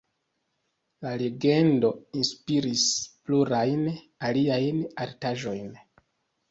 La legendo inspiris plurajn aliajn artaĵojn.